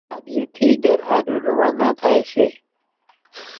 ۿماڌِيئين ٿي گھر ۿارُو روانا ٿائيَ سي